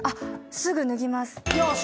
すぐ脱ぎます。